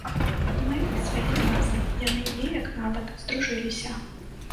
Мы іх звялі разам, яны неяк нават здружыліся.